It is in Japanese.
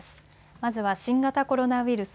まずは新型コロナウイルス。